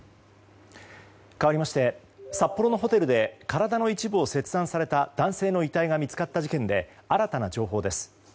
かわりまして札幌のホテルで体の一部を切断された男性の遺体が見つかった事件で新たな情報です。